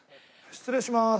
失礼します。